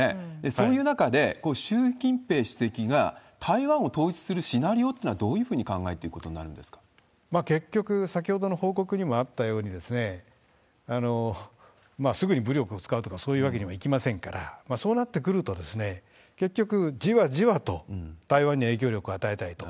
そういう中で、習近平主席が台湾を統一するシナリオっていうのはどういうふうに結局、先ほどの報告にもあったように、すぐに武力を使うとか、そういうわけにはいきませんから、そうなってくると、結局じわじわと台湾に影響力を与えたいと。